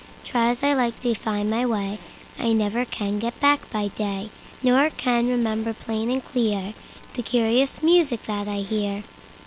Try as I like to find the way,I never can get back by day, Nor can remember plain and clearThe curious music that I hear.